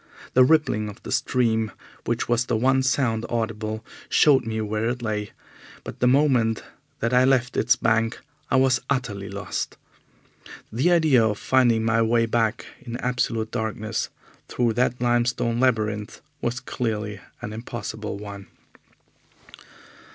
The rippling of the stream, which was the one sound audible, showed me where it lay, but the moment that I left its bank I was utterly lost. The idea of finding my way back in absolute darkness through that limestone labyrinth was clearly an impossible one.